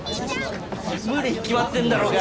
無理に決まってんだろうが！